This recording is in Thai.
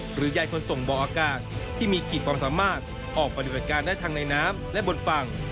หรือย่ายคนส่งบออากาศที่มีกิจความสามารถออกประโยชน์การด้านทางในน้ำและบนฝั่ง